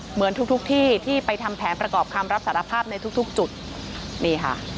เหมือนทุกทุกที่ที่ไปทำแผนประกอบคำรับสารภาพในทุกทุกจุดนี่ค่ะ